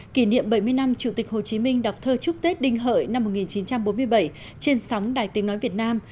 kỷ niệm bảy mươi năm chủ tịch hồ chí minh đọc thơ chúc tết đinh hợi năm một nghìn chín trăm bốn mươi bảy trên sóng đài tiếng nói việt nam